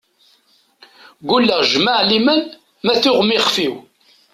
Gulleɣ s jmaɛliman ma tuɣ-m ixef-iw.